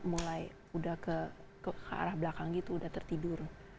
mulai udah ke arah belakang gitu udah tertidur